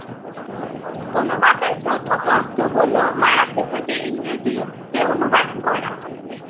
অনুবাদের প্রথম অর্থ হলো মারাঠি থেকে ইংরেজি তে অনুবাদ করা।